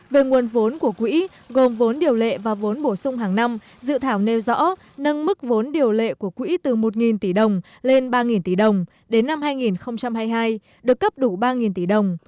về nguồn vốn của quỹ gồm vốn điều lệ và vốn bổ sung hàng năm dự thảo nêu rõ nâng mức vốn điều lệ của quỹ từ một tỷ đồng lên ba tỷ đồng đến năm hai nghìn hai mươi hai được cấp đủ ba tỷ đồng